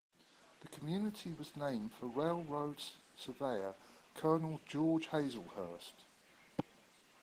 The community was named for railroad surveyor Colonel George Hazlehurst.